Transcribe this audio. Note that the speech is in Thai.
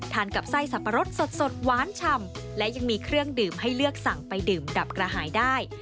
กับไส้สับปะรดสดหวานฉ่ำและยังมีเครื่องดื่มให้เลือกสั่งไปดื่มดับกระหายได้